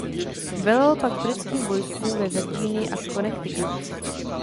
Velel pak britským vojskům ve Virginii a v Connecticutu.